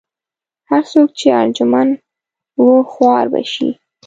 هر څوک چې ارجمند و خوار به شي.